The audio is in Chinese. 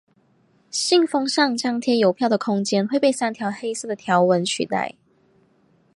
信封上张贴邮票的空间会被三条黑色的条纹取代。